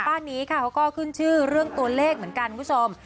บ้านนี้ค่ะเขาก็ขึ้นชื่อเรื่องตัวเลขเหมือนกันคุณผู้ชม